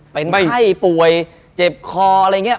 เป็นไข้ป่วยเจ็บคออะไรอย่างนี้